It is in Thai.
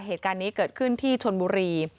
เหตุการณ์นี้เกิดขึ้นที่ชนบุรี